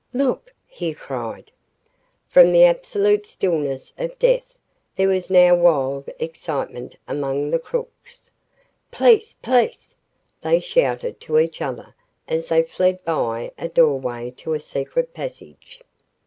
"Look!" he cried. From the absolute stillness of death, there was now wild excitement among the crooks. "Police! Police!" they shouted to each other as they fled by a doorway to a secret passage.